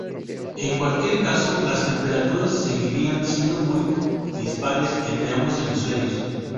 En cualquier caso, las temperaturas seguirían siendo muy dispares entre ambos hemisferios.